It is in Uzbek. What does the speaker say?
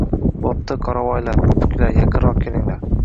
Bo‘pti, qoravoylar, popuklar, yaqinroq kelinglar.